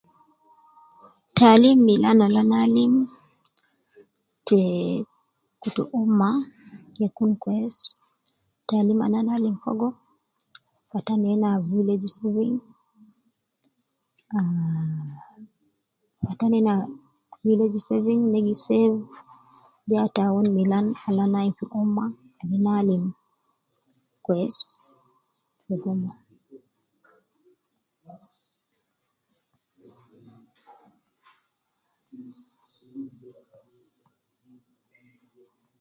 Taalim te kutu umma ke kun kwesi, taalim al ana alim fogo ata nena village school Mafi, ah ,ata nena saving na gi save ya tawun milan al ana ayin fi umma an ina alim kwesi fi umma